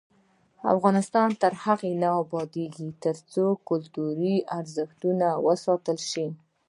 افغانستان تر هغو نه ابادیږي، ترڅو کلتوري ارزښتونه وساتل شي.